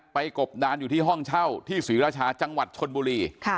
กบดานอยู่ที่ห้องเช่าที่ศรีราชาจังหวัดชนบุรี